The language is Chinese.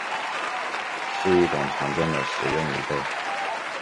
是一种常见的食用贻贝。